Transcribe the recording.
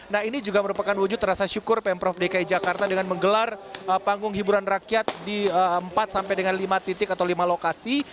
nah ini juga merupakan wujud rasa syukur pemprov dki jakarta dengan menggelar panggung hiburan rakyat di empat sampai dengan lima titik atau lima lokasi